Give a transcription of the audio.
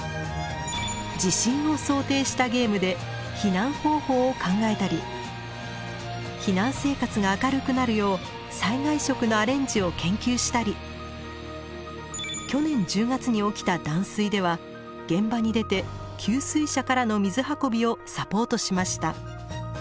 地震を想定したゲームで避難方法を考えたり避難生活が明るくなるよう災害食のアレンジを研究したり去年１０月に起きた断水では現場に出て給水車からの水運びをサポートしました。